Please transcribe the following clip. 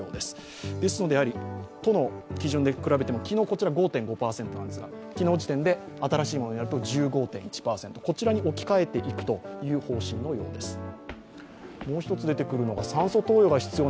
ですので、都の基準と比べても、昨日５．５％なんですが、昨日時点で新しいものにすると１５．１％、こちらに置き換えていく方針のようです。